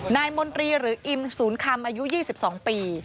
มนตรีหรืออิมศูนย์คำอายุ๒๒ปี